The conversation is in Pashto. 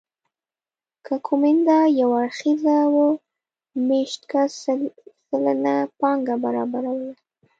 که کومېندا یو اړخیزه وه مېشت کس سل سلنه پانګه برابروله